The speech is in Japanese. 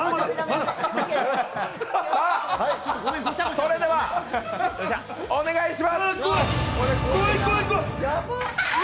それでは、お願いします。